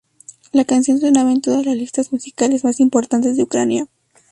La canción sonaba en todas las listas musicales más importantes de Ucrania.